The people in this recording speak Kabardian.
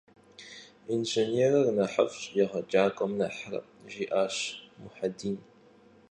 Yinjjênêrır nexhıf'ş, yêğecak'uem nexhre ,- jji'aş Muhedin.